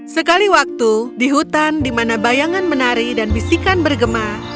sekali waktu di hutan di mana bayangan menari dan bisikan bergema